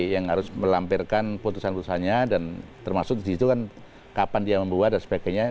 yang harus melampirkan putusan putusannya dan termasuk di situ kan kapan dia membuat dan sebagainya